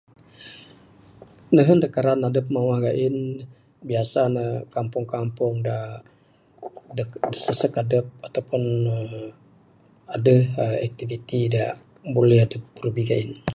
Nehen da karan adep mawah gain, biasa ne kampung-kampung da sesek adep, ato pun eerr, adeh eeerr activity da buleh adep brubi gain.